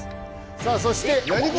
さあそして。